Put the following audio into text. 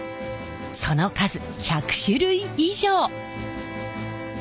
その数１００種類以上！